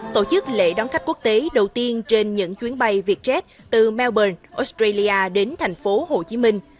tổ chức lễ đón khách quốc tế đầu tiên trên những chuyến bay vietjet từ melbourne australia đến tp hcm